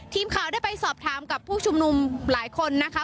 ทีมข่าวได้ไปสอบถามกับผู้ชุมนุมหลายคนนะคะ